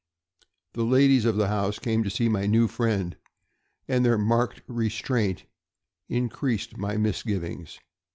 The ladies of the house came to see my new friend, and their marked restraint increased my misgivings.